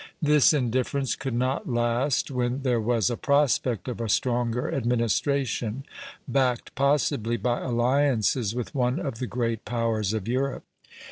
This indifference could not last when there was a prospect of a stronger administration, backed possibly by alliances with one of the great powers of Europe.